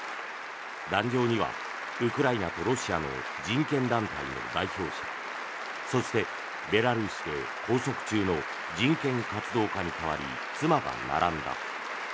壇上にはウクライナとロシアの人権団体の代表者そして、ベラルーシで拘束中の人権活動家に代わり妻が並んだ。